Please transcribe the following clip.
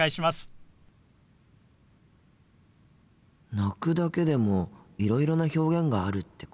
心の声泣くだけでもいろいろな表現があるってことか。